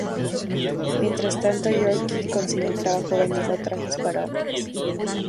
Mientras tanto, Yorke consiguió un trabajo vendiendo trajes para hombres.